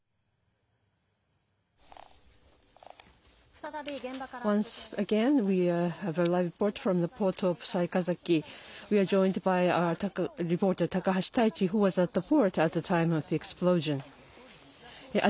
再び現場から中継です。